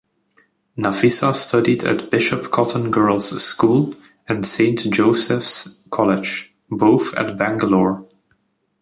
Nafisa studied at Bishop Cotton Girls' School and Saint Joseph's College, both at Bangalore.